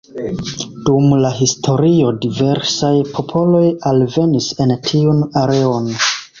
Dum la historio diversaj popoloj alvenis en tiun areon.